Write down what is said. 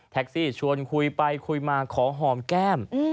ชวนคุยไปคุยมาขอหอมแก้ม